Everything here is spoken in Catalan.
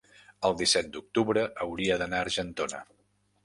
el disset d'octubre hauria d'anar a Argentona.